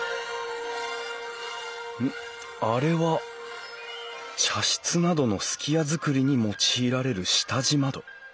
あれは茶室などの数寄屋造りに用いられる下地窓。